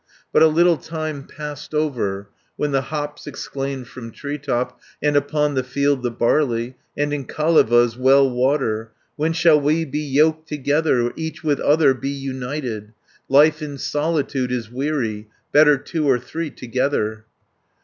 "But a little time passed over, When the hops exclaimed from tree top, 160 And upon the field the barley, And in Kaleva's well water, 'When shall we be yoked together, Each with other be united? Life in solitude is weary; Better two or three together.'